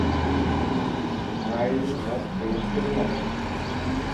নৰাইৰ ঘৰত হুলস্থূল লাগিল।